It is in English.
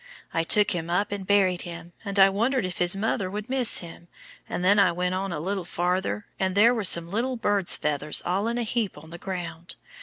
I took him up and buried him, and I wondered if his mother would miss him; and then I went on a little farther, and there were some little bird's feathers all in a heap on the ground.